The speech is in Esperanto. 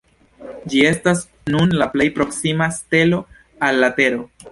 Ĝi estas nun la plej proksima stelo al la Tero.